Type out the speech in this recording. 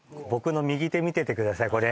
僕の右手見ててください